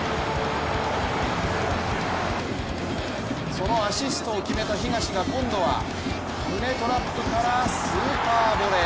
そのアシストを決めた東が今度は胸トラップからスーパーボレー。